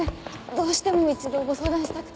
どうしても一度ご相談したくて。